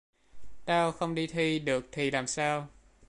tao không đi thi được thì làm sao